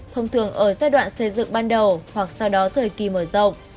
thông thường ở giai đoạn xây dựng ban đầu hoặc sau đó thời kỳ mở rộng